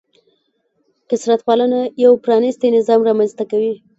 کثرت پالنه یو پرانیستی نظام رامنځته کوي.